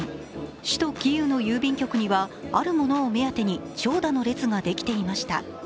首都キーウの郵便局にはあるものを目当てに長蛇の列ができていました。